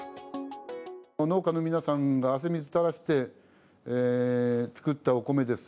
農家の皆さんが汗水たらして作ったお米です。